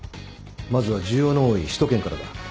まずは需要の多い首都圏からだ。